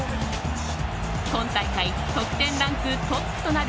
今大会得点ランクトップとなる